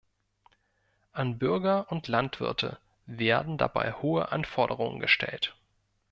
An Bürger und Landwirte werden dabei hohe Anforderungen gestellt.